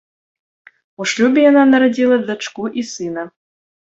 У шлюбе яна нарадзіла дачку і сына.